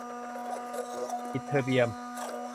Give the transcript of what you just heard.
อิตเทอร์เบียม